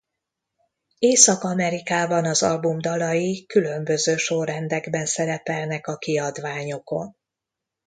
Észak-Amerikában az album dalai különböző sorrendekben szerepelnek a kiadványokon.